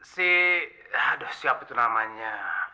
si aduh siapa itu namanya